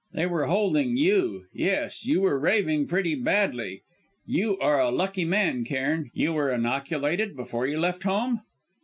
They were holding you yes, you were raving pretty badly. You are a lucky man, Cairn. You were inoculated before you left home?"